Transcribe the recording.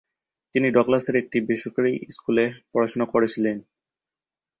তিনি ডগলাসের একটি বেসরকারী স্কুলে পড়াশোনা করেছিলেন।